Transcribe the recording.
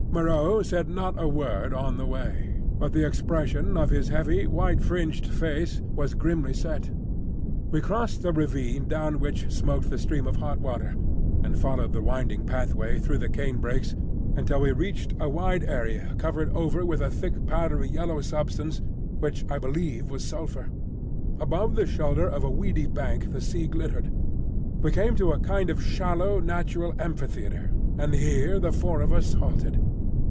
Moreau said not a word on the way, but the expression of his heavy, white fringed face was grimly set. We crossed the ravine down which smoked the stream of hot water, and followed the winding pathway through the canebrakes until we reached a wide area covered over with a thick, powdery yellow substance which I believe was sulphur. Above the shoulder of a weedy bank the sea glittered. We came to a kind of shallow natural amphitheatre, and here the four of us halted.